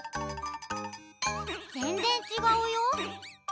ぜんぜんちがうよ。